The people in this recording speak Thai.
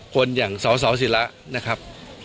คนอย่างสสิระนะครับ